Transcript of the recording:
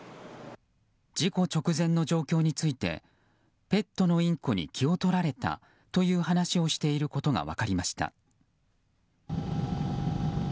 事故直前の状況についてペットのインコに気をとられたという話をしていることが分かりました。